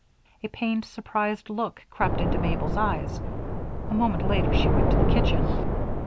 A pained, surprised look crept into Mabel's eyes. A moment later she went to the kitchen.